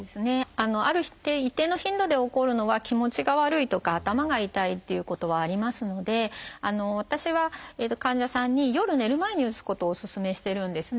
ある一定の頻度で起こるのは気持ちが悪いとか頭が痛いっていうことはありますので私は患者さんに夜寝る前に打つことをお勧めしてるんですね。